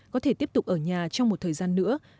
có thể tiếp tục ở nhà trong một thời gian nữa